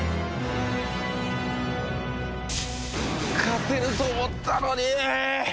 勝てると思ったのに！